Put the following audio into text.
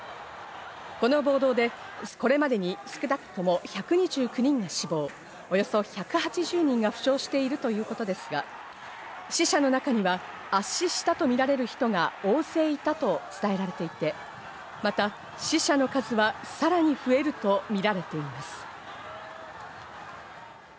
この暴動で、これまでに少なくとも１２９人が死亡、およそ１８０人が負傷しているということですが、死者の中には圧死したとみられる人が大勢いたと伝えられていて、また死者の数は、さらに増えるとみられています。